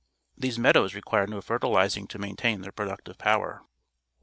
These meadows require no fertilizing to maintain their productive power.